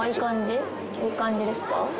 いい感じですか？